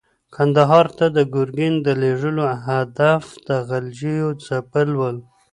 کندهار ته د ګورګین د لېږلو هدف د غلجیو ځپل ول.